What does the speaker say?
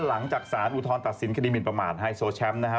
หลังจากสารอุทธรณ์ตัดสินคดีหมินประมาทไฮโซแชมป์นะฮะ